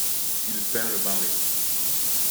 Il peint le marais.